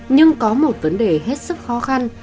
nhưng có một vấn đề hết sức khó khăn